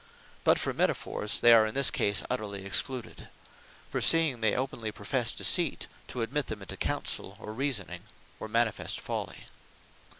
But for Metaphors, they are in this case utterly excluded. For seeing they openly professe deceipt; to admit them into Councell, or Reasoning, were manifest folly.